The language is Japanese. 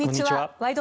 「ワイド！